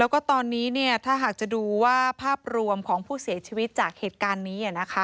แล้วก็ตอนนี้ถ้าหากจะดูว่าภาพรวมของผู้เสียชีวิตจากเหตุการณ์นี้นะคะ